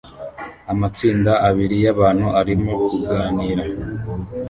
Amatsinda abiri yabantu arimo kuganira